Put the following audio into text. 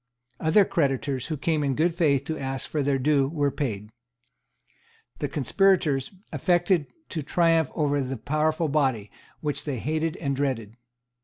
Other creditors, who came in good faith to ask for their due, were paid. The conspirators affected to triumph over the powerful body, which they hated and dreaded.